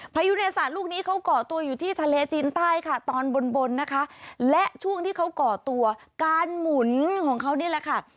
พายุเนศาสตร์ลูกนี้เขาก่อตัวอยู่ที่ทะเลจีนใต้ค่ะตอนบนบนนะคะและช่วงที่เขาก่อตัวการหมุนของเขานี่แหละค่ะ